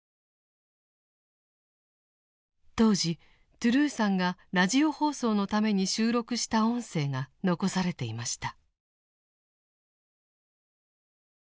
当時トゥルーさんがラジオ放送のために収録した音声が残されていました。